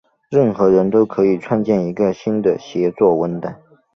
任何人都可以创建一个新的协作文档。